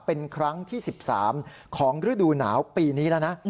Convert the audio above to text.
เป็นครั้งที่๑๓ของฤดูหนาวปีนี้แล้วนะ